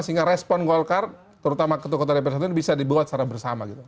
sehingga respon golkar terutama ketua kota represiden bisa dibuat secara bersama gitu